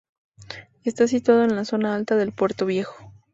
Está situada en la zona alta del puerto viejo.